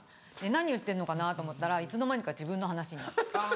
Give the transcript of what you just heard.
何言ってんのかなと思ったらいつの間にか自分の話になってる。